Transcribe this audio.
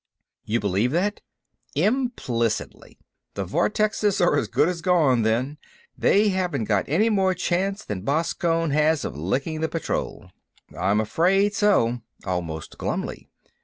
"You believe that?" "Implicitly." "The vortices are as good as gone, then. They haven't got any more chance than Boskone has of licking the Patrol." "I'm afraid so," almost glumly.